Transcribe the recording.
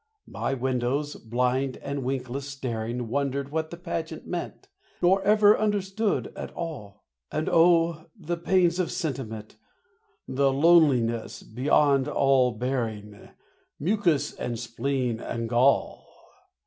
My windows, blind and winkless staring, Wondered what the pageant meant, Nor ever understood at all. And oh, the pains of sentiment! The loneliness beyond all bearing ... Mucus and spleen and gall!